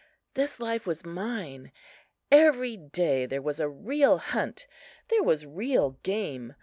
This life was mine. Every day there was a real hunt. There was real game.